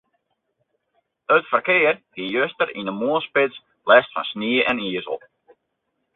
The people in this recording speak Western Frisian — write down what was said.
It ferkear hie juster yn de moarnsspits lêst fan snie en izel.